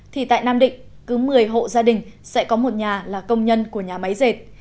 thì tại nam định cứ một mươi hộ gia đình sẽ có một nhà là công nhân của nhà máy dệt